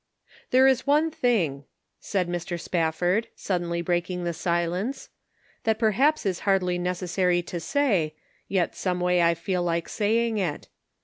" There is one thing," said Mr. Spafford, suddenly breaking the silence, " that perhaps is hardly necessary to say, yet someway I feel like saying it.